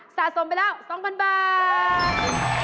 สะสมไปแล้ว๒๐๐๐บาท